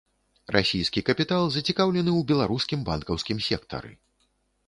Расійскі капітал зацікаўлены ў беларускім банкаўскім сектары.